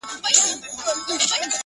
زما خو ټوله كيسه هر چاته معلومه،